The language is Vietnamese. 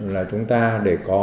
là chúng ta để có